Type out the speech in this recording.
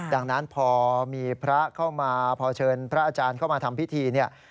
ดังนั้นพอมีพระเข้ามาพอเชิญพระอาจารย์เข้ามาทำพิธีเนี่ย